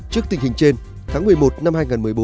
trước tình hình trên tháng một mươi một năm hai nghìn một mươi bốn